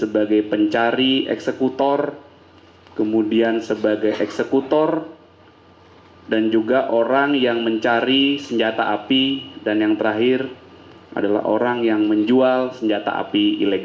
kami melakukan uji di direktorat intel kampolda metro jaya terhadap keempat senjata api ini